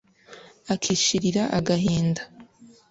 akishirira agahinda.